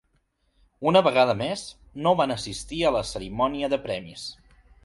Una vegada més, no van assistir a la cerimònia de premis.